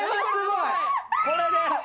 これです！